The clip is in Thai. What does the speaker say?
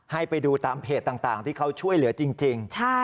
ให้ไปดูตามเพจต่างที่เขาช่วยเหลือจริง